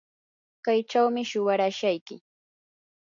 kaychawmi shuwarashayki.